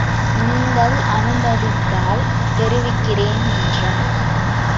நீங்கள் அனுமதித்தால் தெரிவிக்கிறேன் என்றார்.